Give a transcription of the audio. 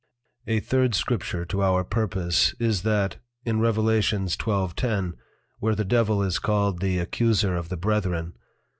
_ A Third Scripture to our purpose is that, in Rev. 12.10. where the Devil is called the Accuser of the Brethren.